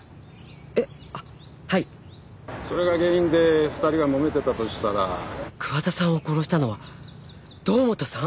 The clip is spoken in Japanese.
えっあっはいそれが原因で２人がもめてたとしたら桑田さんを殺したのは堂本さん⁉